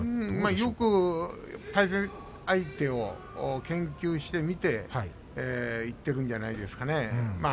よく対戦相手を研究して見ていっているんじゃないでしょうかね。